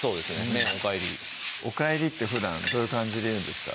麺おかえり「おかえり」ってふだんどういう感じで言うんですか？